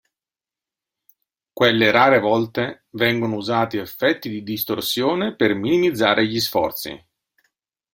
Quelle rare volte vengono usati effetti di distorsione per minimizzare gli sforzi.